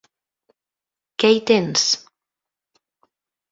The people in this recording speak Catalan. Què hi tens?